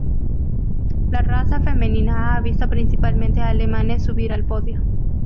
La raza femenina ha visto principalmente alemanes subir al podio.